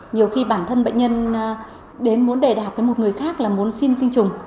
nhiều khi bản thân bệnh nhân đến muốn đề đạt với một người khác là muốn xin tinh trùng